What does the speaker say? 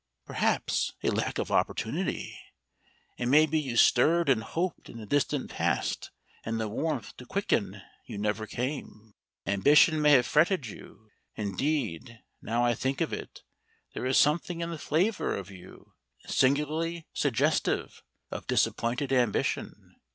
"Perhaps a lack of opportunity? It may be you stirred and hoped in the distant past, and the warmth to quicken you never came. Ambition may have fretted you. Indeed, now I think of it, there is something in the flavour of you, singularly suggestive of disappointed ambition.